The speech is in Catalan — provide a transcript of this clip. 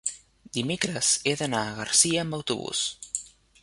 dimecres he d'anar a Garcia amb autobús.